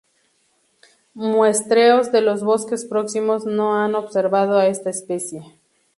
Muestreos de los bosques próximos no han observado a esta especie.